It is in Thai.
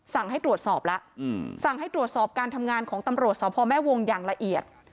สั่งให้ตรวจสอบแล้วสั่งให้ตรวจสอบการทำงานของตำรวจสพแม่วงอย่างละเอียด